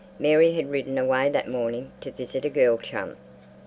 Mary had ridden away that morning to visit a girl chum.